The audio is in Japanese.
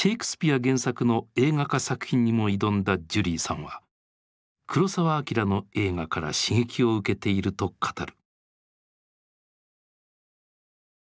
原作の映画化作品にも挑んだジュリーさんは黒澤明の映画から刺激を受けていると語る。